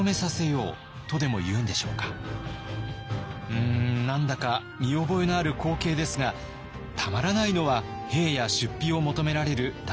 うん何だか見覚えのある光景ですがたまらないのは兵や出費を求められる大名たち。